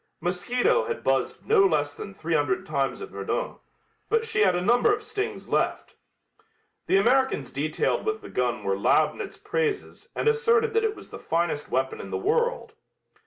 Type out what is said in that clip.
"Mosquito" had buzzed no less than three hundred times at Verdun, but she had a number of stings left. The Americans detailed with the gun were loud in its praises and asserted that it was the finest weapon in the world.